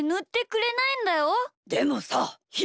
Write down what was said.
でもさひ